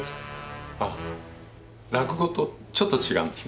あ落語とちょっと違うんですね。